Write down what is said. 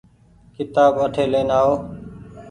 ڪيتآب اٺي لين آئو۔